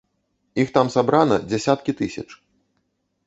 Іх там сабрана дзясяткі тысяч.